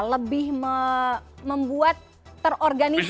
lebih membuat terorganisir